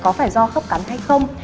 có phải do khớp cắn hay không